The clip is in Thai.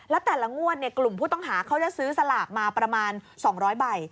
แล้วแต่ละงวดกลุ่มผู้ต้องหาเขาจะซื้อสลากมาประมาณ๒๐๐ใบ